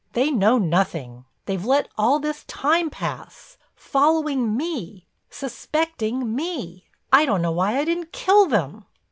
They know nothing. They've let all this time pass—following me, suspecting me. I don't know why I didn't kill them!"